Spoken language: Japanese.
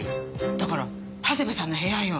だから長谷部さんの部屋よ。